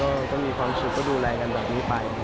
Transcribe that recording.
ก็มีความสุขก็ดูแลกันแบบนี้ไป